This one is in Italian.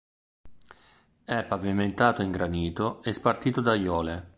È pavimentato in granito e spartito da aiuole.